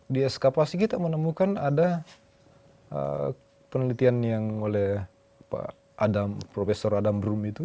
di eskapasi kita menemukan ada penelitian yang oleh profesor adam broom itu